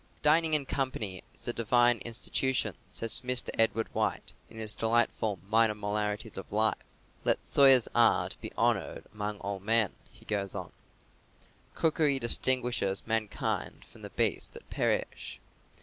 "Dining in company is a divine institution," says Mr. Edward White, in his delightful Minor Moralities of Life. "Let Soyer's art be honoured among all men," he goes on. "Cookery distinguishes mankind from the beasts that perish.